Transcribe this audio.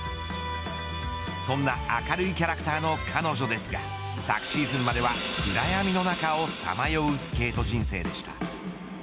そんな明るいキャラクターの彼女ですが昨シーズンまでは暗闇の中をさまようスケート人生でした。